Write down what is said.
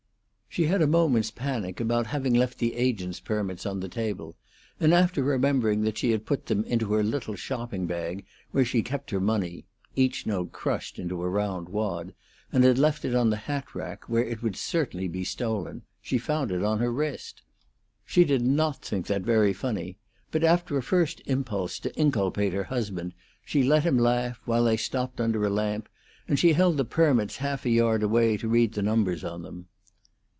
She had a moment's panic about having left the agents' permits on the table, and after remembering that she had put them into her little shopping bag, where she kept her money (each note crushed into a round wad), and had left it on the hat rack, where it would certainly be stolen, she found it on her wrist. She did not think that very funny; but after a first impulse to inculpate her husband, she let him laugh, while they stopped under a lamp and she held the permits half a yard away to read the numbers on them.